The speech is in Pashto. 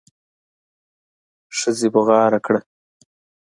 ښځې بغاره کړه.